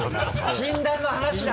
禁断の話だな！